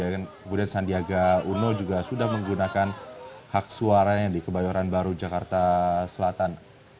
kemudian sandiaga uno juga sudah menggunakan hak suaranya di kebayoran baru jakarta selatan